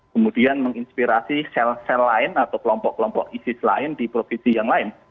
kemudian menginspirasi sel sel lain atau kelompok kelompok isis lain di provinsi yang lain